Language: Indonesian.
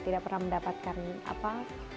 tidak pernah mendapatkan apa